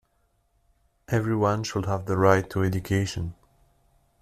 Everyone should have the right to education.